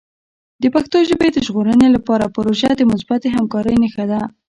د پښتو ژبې د ژغورنې لپاره پروژه د مثبتې همکارۍ نښه ده.